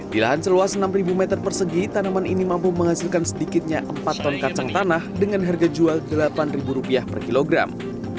di lahan seluas enam meter persegi tanaman ini mampu menghasilkan sedikitnya empat ton kacang tanah dengan harga jual rp delapan per kilogram